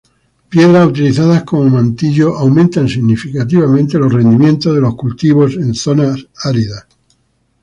Piedras utilizadas como mantillo aumentan significativamente los rendimientos de los cultivos en zonas áridas.